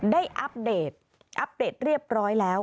ได้อัพเดทอัพเดทเรียบร้อยแล้ว